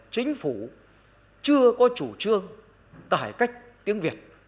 chính phủ chưa có chủ trương